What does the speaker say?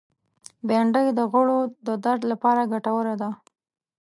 بېنډۍ د غړو د درد لپاره ګټوره ده